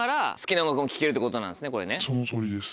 そのとおりです。